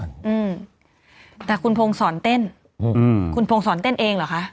อืมแต่คุณพงศรเต้นอืมคุณพงศรเต้นเองเหรอคะ